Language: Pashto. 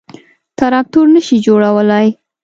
_تراکتور نه شي جوړولای.